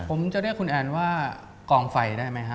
ผมจะเรียกคุณแอนว่ากองไฟได้ไหมฮะ